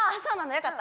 よかった。